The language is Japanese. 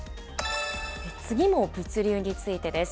次も物流についてです。